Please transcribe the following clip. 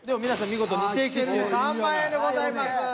見事２的中３万円でございます。